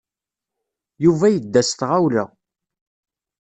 Yuba yedda s tɣawla.